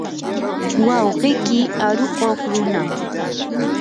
wawqiyki arukuq runam.